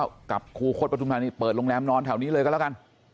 แล้วกับครูคดปฐุมธานีเปิดโรงแรมนอนแถวนี้เลยก็แล้วกัน